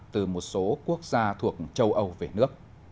từ một số quốc gia thuộc châu âu về nước